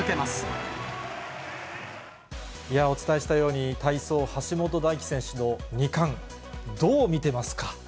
お伝えしたように、体操、橋本大輝選手の２冠、どう見てますか。